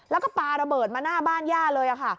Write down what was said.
แล้วก็ปลาระเบิดมาหน้าบ้านย่าเลยค่ะ